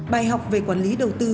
bài học về quản lý đầu tư